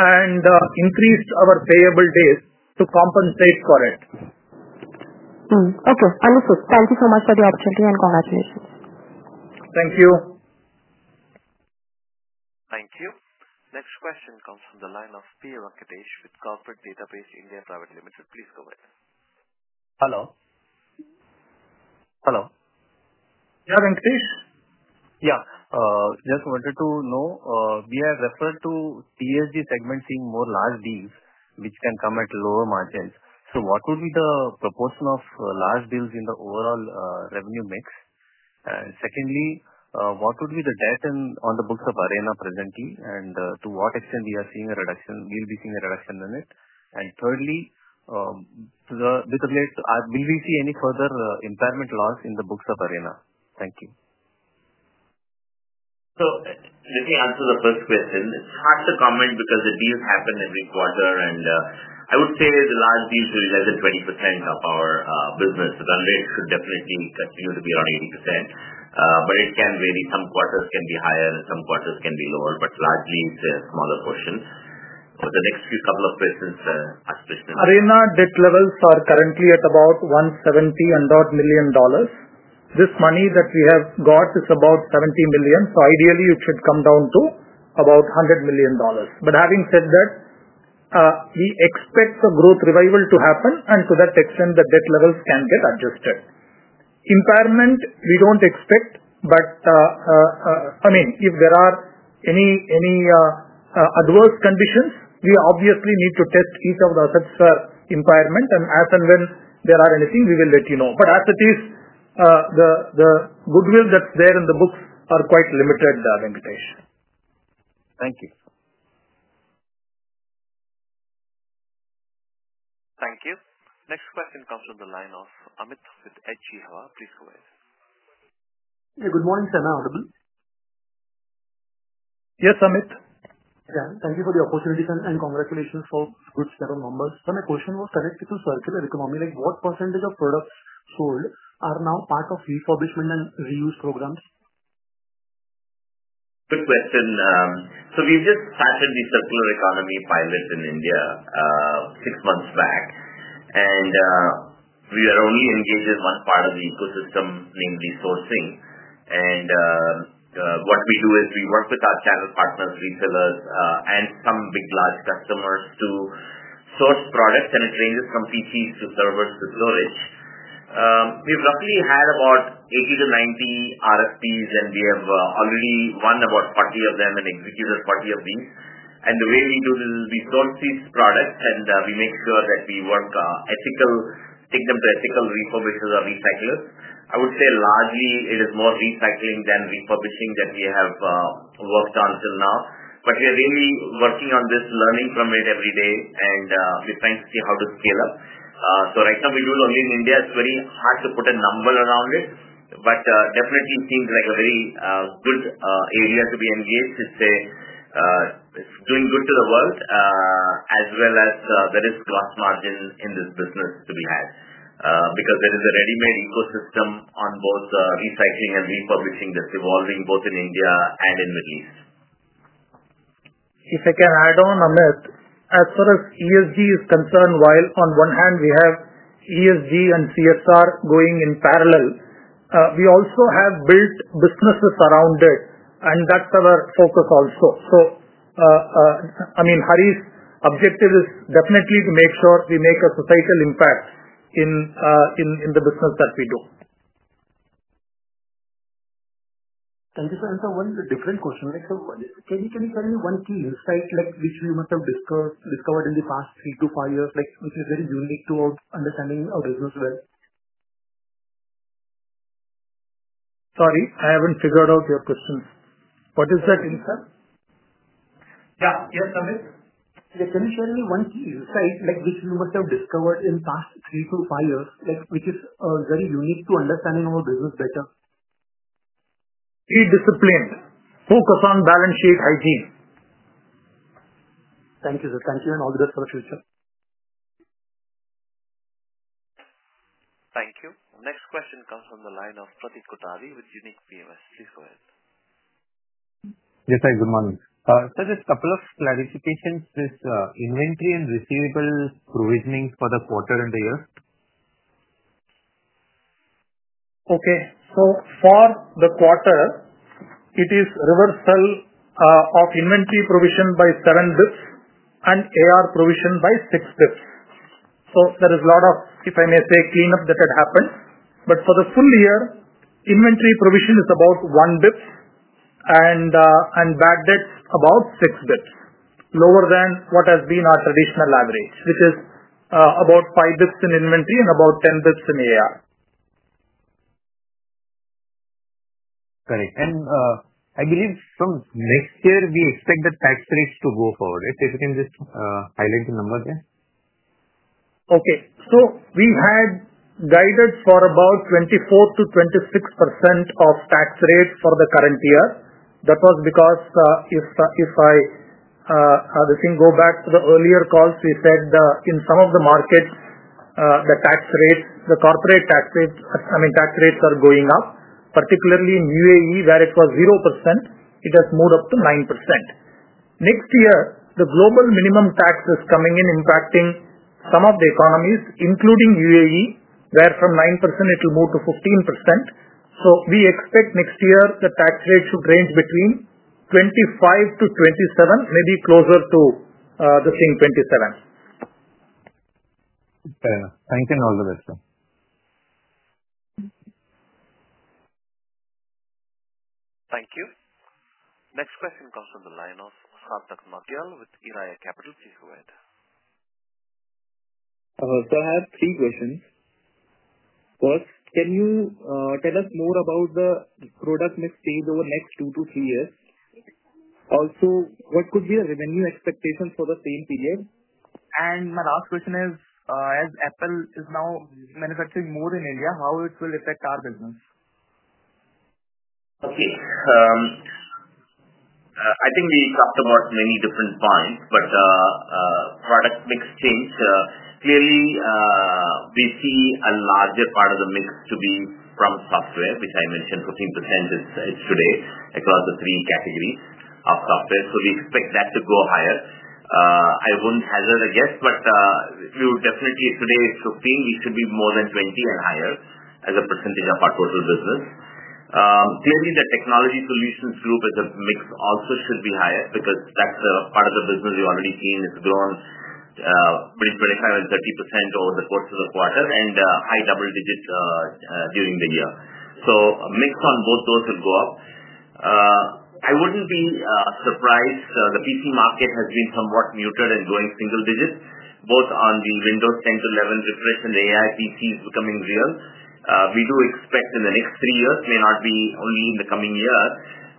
and increased our payable days to compensate for it. Okay. Understood. Thank you so much for the opportunity and congratulations. Thank you. Thank you. Next question comes from the line of P. Venkatesh with Corporate Database India Private Limited. Please go ahead. Hello. Yeah, Venkatesh? Yeah. Just wanted to know, we are referred to TSG segment seeing more large deals, which can come at lower margins. What would be the proportion of large deals in the overall revenue mix? Secondly, what would be the debt on the books of ARENA presently, and to what extent are we seeing a reduction? Will we be seeing a reduction in it? Thirdly, with related, will we see any further impairment loss in the books of ARENA? Thank you. Let me answer the first question. It's hard to comment because the deals happen every quarter, and I would say the large deals will be less than 20% of our business. The run rate should definitely continue to be around 80%, but it can vary. Some quarters can be higher, and some quarters can be lower, but largely, it's a smaller portion. For the next few couple of questions. Arena debt levels are currently at about $170 million and odd. This money that we have got is about $70 million. Ideally, it should come down to about $100 million. Having said that, we expect the growth revival to happen, and to that extent, the debt levels can get adjusted. Impairment, we don't expect, but I mean, if there are any adverse conditions, we obviously need to test each of the assets for impairment. As and when there are anything, we will let you know. As it is, the goodwill that's there in the books are quite limited, Venkatesh. Thank you. Thank you. Next question comes from the line of Amit with HG Hema. Please go ahead. Yeah. Good morning. I'm audible? Yes, Amit. Yeah. Thank you for the opportunity and congratulations for good set of numbers. My question was connected to circular economy. What percentage of products sold are now part of refurbishment and reuse programs? Good question. We have just started the circular economy pilot in India six months back, and we are only engaged in one part of the ecosystem, namely sourcing. What we do is we work with our channel partners, retailers, and some big large customers to source products, and it ranges from PCs to servers to storage. We have roughly had about 80-90 RFPs, and we have already won about 40 of them and executed 40 of these. The way we do this is we source these products, and we make sure that we work ethical, take them to ethical refurbishers or recyclers. I would say largely, it is more recycling than refurbishing that we have worked on till now. We are really working on this, learning from it every day, and we are trying to see how to scale up. Right now, we do it only in India. It's very hard to put a number around it, but definitely seems like a very good area to be engaged to say it's doing good to the world as well as there is gross margin in this business to be had because there is a ready-made ecosystem on both recycling and refurbishing that's evolving both in India and in the Middle East. If I can add on, Amit, as far as ESG is concerned, while on one hand, we have ESG and CSR going in parallel, we also have built businesses around it, and that's our focus also. I mean, Harish, the objective is definitely to make sure we make a societal impact in the business that we do. Thank you, sir. One different question. Can you tell me one key insight which we must have discovered in the past three to five years, which is very unique to understanding our business well? Sorry, I haven't figured out your question. What is that insight? Yeah. Yes, Amit. Can you share me one key insight which we must have discovered in the past three to five years, which is very unique to understanding our business better? Be disciplined. Focus on balance sheet hygiene. Thank you, sir. Thank you, and all the best for the future. Thank you. Next question comes from the line of Pratik Kothari with Unique PMS. Please go ahead. Yes, hi. Good morning. Sir, just a couple of clarifications with inventory and receivables provisioning for the quarter and the year. Okay. For the quarter, it is reversal of inventory provision by seven basis points and AR provision by six basis points. There is a lot of, if I may say, cleanup that had happened. For the full year, inventory provision is about one basis point, and bad debt about six basis points, lower than what has been our traditional average, which is about five basis points in inventory and about 10 basis points in AR. Very good. I believe from next year, we expect the tax rates to go forward. If you can just highlight the number there. Okay. So we had guided for about 24%-26% of tax rate for the current year. That was because if I go back to the earlier calls, we said in some of the markets, the corporate tax rates are going up. Particularly in UAE, where it was 0%, it has moved up to 9%. Next year, the global minimum tax is coming in, impacting some of the economies, including UAE, where from 9%, it will move to 15%. So we expect next year, the tax rate should range between 25-27%, maybe closer to the same 27%. Fair enough. Thank you and all the best, sir. Thank you. Next question comes from the line of Sarthak Matyal with Iraya Capital. Please go ahead. Sir, I have three questions. First, can you tell us more about the product mix stage over the next two to three years? Also, what could be the revenue expectations for the same period? My last question is, as Apple is now manufacturing more in India, how will it affect our business? Okay. I think we talked about many different points, but product mix change. Clearly, we see a larger part of the mix to be from software, which I mentioned 15% is today across the three categories of software. We expect that to go higher. I would not hazard a guess, but we would definitely today is 15%. We should be more than 20% and higher as a percentage of our total business. Clearly, the Technology Solutions Group as a mix also should be higher because that is part of the business we have already seen has grown 25%-30% over the course of the quarter and high double digits during the year. A mix on both those will go up. I would not be surprised. The PC market has been somewhat muted and going single digits, both on the Windows 10-11 refresh and AI PCs becoming real. We do expect in the next three years, may not be only in the coming year,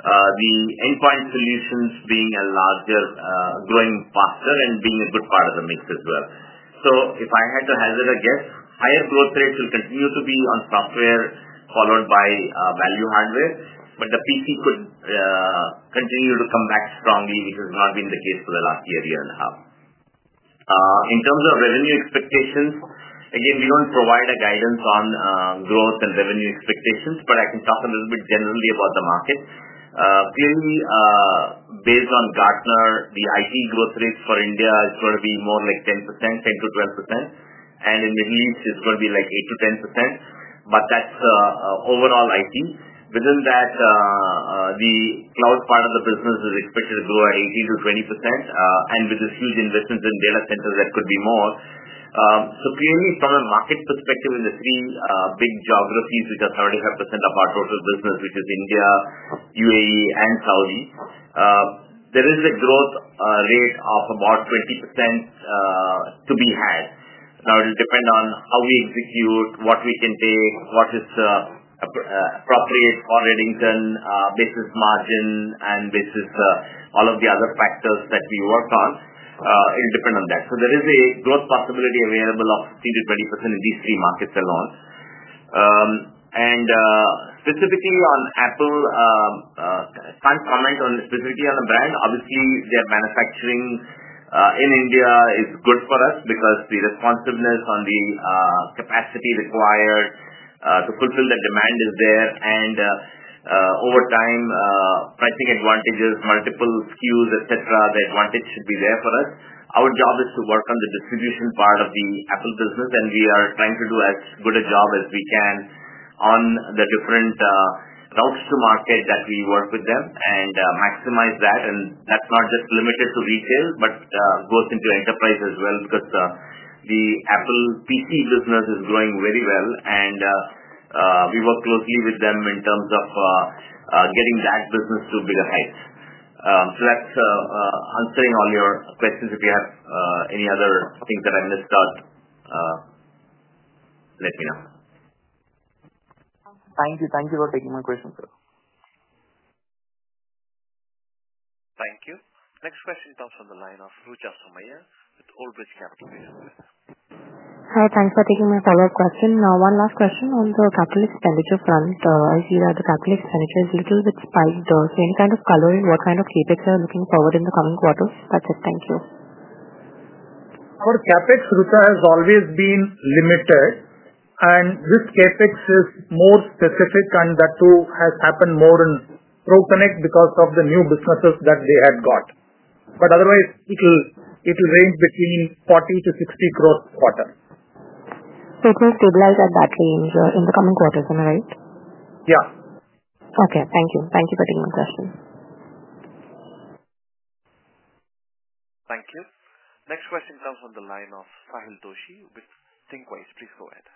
the endpoint solutions being a larger growing faster and being a good part of the mix as well. If I had to hazard a guess, higher growth rates will continue to be on software followed by value hardware, but the PC could continue to come back strongly, which has not been the case for the last year, year and a half. In terms of revenue expectations, again, we do not provide guidance on growth and revenue expectations, but I can talk a little bit generally about the market. Clearly, based on Gartner, the IT growth rates for India is going to be more like 10%-12%, and in the Middle East, it is going to be like 8%-10%, but that is overall IT. Within that, the cloud part of the business is expected to grow at 18%-20%, and with this huge investments in data centers, that could be more. Clearly, from a market perspective in the three big geographies, which are 75% of our total business, which is India, UAE, and Saudi, there is a growth rate of about 20% to be had. Now, it will depend on how we execute, what we can take, what is appropriate for Redington, basis margin, and basis all of the other factors that we work on. It will depend on that. There is a growth possibility available of 15%-20% in these three markets alone. Specifically on Apple, can't comment on specifically on the brand. Obviously, their manufacturing in India is good for us because the responsiveness on the capacity required to fulfill the demand is there, and over time, pricing advantages, multiple SKUs, etc., the advantage should be there for us. Our job is to work on the distribution part of the Apple business, and we are trying to do as good a job as we can on the different routes to market that we work with them and maximize that. That is not just limited to retail, but goes into enterprise as well because the Apple PC business is growing very well, and we work closely with them in terms of getting that business to bigger heights. That is answering all your questions. If you have any other things that I missed out, let me know. Thank you. Thank you for taking my question, sir. Thank you. Next question comes from the line of Rucha Somaiya with Old Bridge Capital. Please go ahead. Hi. Thanks for taking my follow-up question. Now, one last question on the capital expenditure front. I see that the capital expenditure is a little bit spiked. Any kind of color in what kind of CapEx you are looking forward in the coming quarters? That's it. Thank you. Our CapEx return has always been limited, and this CapEx is more specific, and that too has happened more in ProConnect because of the new businesses that they had got. Otherwise, it will range between 40-60 growth quarters. It will stabilize at that range in the coming quarters, am I right? Yeah. Okay. Thank you. Thank you for taking my question. Thank you. Next question comes from the line of Sahil Doshi with Thinqwise. Please go ahead.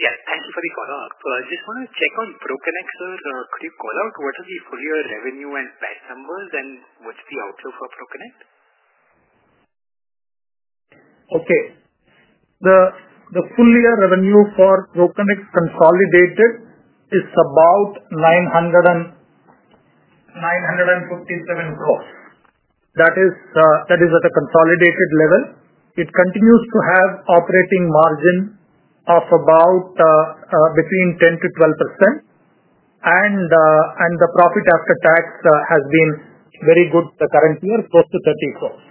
Yeah. Thank you for the call. I just want to check on ProConnect, sir. Could you call out what are the full year revenue and PAT numbers, and what's the outlook for ProConnect? Okay. The full year revenue for ProConnect consolidated is about 957 crore. That is at a consolidated level. It continues to have operating margin of about between 10%-12%, and the profit after tax has been very good the current year, close to 30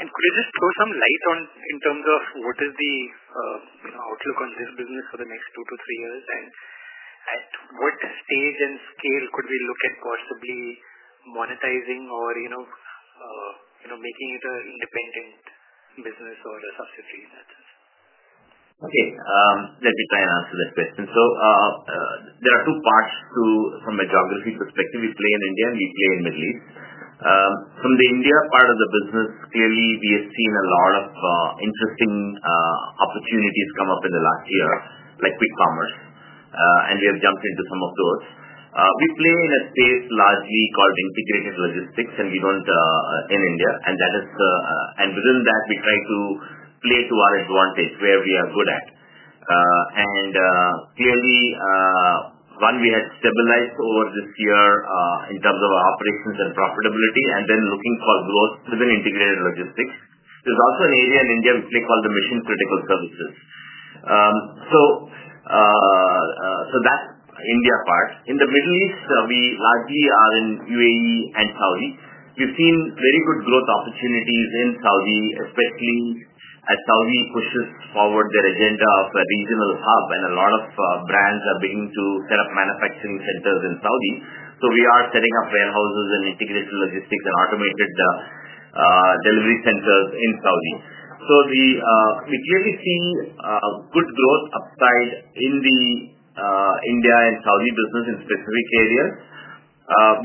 crore. Okay. Okay. Could you just throw some light on in terms of what is the outlook on this business for the next two to three years, and at what stage and scale could we look at possibly monetizing or making it an independent business or a subsidiary in that sense? Okay. Let me try and answer that question. There are two parts to from a geography perspective. We play in India, and we play in the Middle East. From the India part of the business, clearly, we have seen a lot of interesting opportunities come up in the last year, like quick commerce, and we have jumped into some of those. We play in a space largely called integrated logistics, and we do in India, and that is and within that, we try to play to our advantage where we are good at. Clearly, one, we have stabilized over this year in terms of our operations and profitability, and then looking for growth within integrated logistics. There is also an area in India we play called the mission-critical services. That is India part. In the Middle East, we largely are in UAE and Saudi. We have seen very good growth opportunities in Saudi, especially as Saudi pushes forward their agenda of a regional hub, and a lot of brands are beginning to set up manufacturing centers in Saudi. We are setting up warehouses and integrated logistics and automated delivery centers in Saudi. We clearly see good growth upside in the India and Saudi business in specific areas.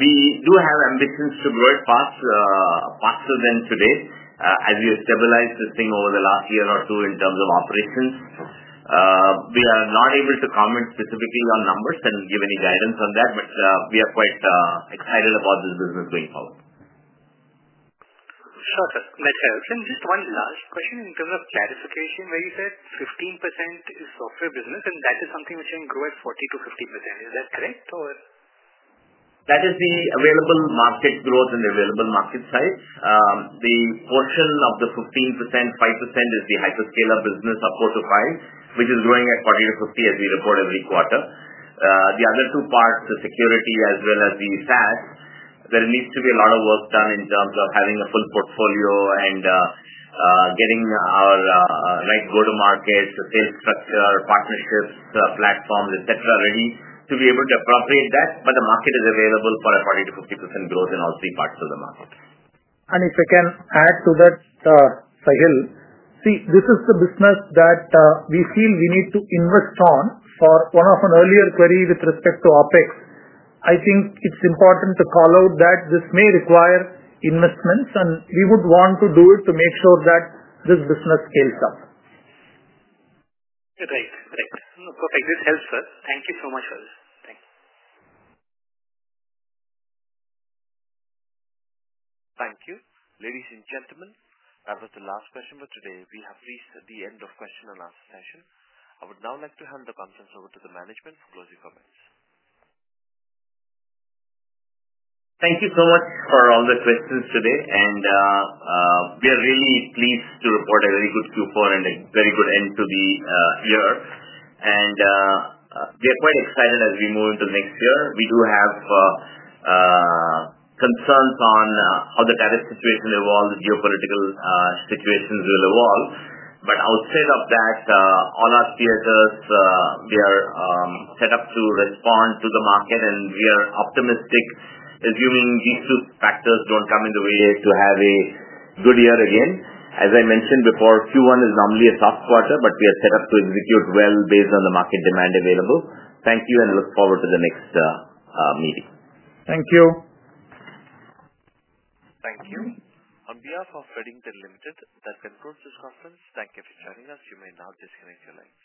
We do have ambitions to grow it faster than today as we have stabilized this thing over the last year or two in terms of operations. We are not able to comment specifically on numbers and give any guidance on that, but we are quite excited about this business going forward. Sure. That makes sense. Just one last question in terms of clarification, where you said 15% is software business, and that is something which can grow at 40%-50%. Is that correct, or? That is the available market growth and the available market size. The portion of the 15%, 5% is the hyperscale business of four to five, which is growing at 40%-50% as we report every quarter. The other two parts, the security as well as the SaaS, there needs to be a lot of work done in terms of having a full portfolio and getting our right go-to-market, the sales structure, partnerships, platforms, etc., ready to be able to appropriate that, but the market is available for a 40%-50% growth in all three parts of the market. If I can add to that, Sahil, see, this is the business that we feel we need to invest on. For one of an earlier query with respect to OpEx, I think it is important to call out that this may require investments, and we would want to do it to make sure that this business scales up. Great. Great. Perfect. This helps, sir. Thank you so much, sir. Thank you. Thank you. Ladies and gentlemen, that was the last question for today. We have reached the end of question and answer session. I would now like to hand the conference over to the management for closing comments. Thank you so much for all the questions today, and we are really pleased to report a very good Q4 and a very good end to the year. We are quite excited as we move into the next year. We do have concerns on how the tariff situation evolves, geopolitical situations will evolve. Outside of that, all our theaters, we are set up to respond to the market, and we are optimistic, assuming these two factors do not come in the way, to have a good year again. As I mentioned before, Q1 is normally a soft quarter, but we are set up to execute well based on the market demand available. Thank you, and look forward to the next meeting. Thank you. Thank you. On behalf of Redington Limited, that concludes this conference. Thank you for joining us. You may now disconnect your line.